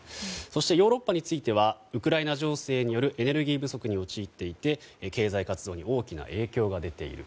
そしてヨーロッパについてはウクライナ情勢によるエネルギー不足に陥っていて経済活動に大きな影響が出ている。